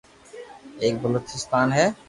ايڪ بلوچستان ھي